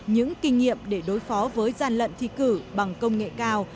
những kinh nghiệm để đối phó với gian lận thi cử bằng công nghệ cao